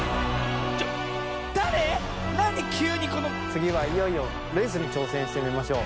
つぎはいよいよレースにちょうせんしてみましょう。